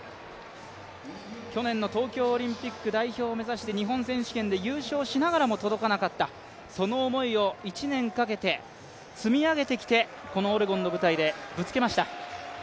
去年の東京オリンピック代表を目指して日本選手権で優勝しながらも届かなかった、その思いを１年かけて積み上げてきて、このオレゴンの舞台でぶつけました。